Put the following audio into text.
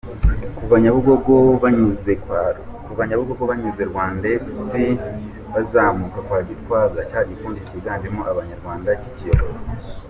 Kuva Nyabugogo banyuze Rwandex bazamuka kwa Gitwaza cya gikundi kiganjemo Abanyarwanda kikiyoboye.